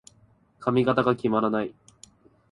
髪型が決まらない。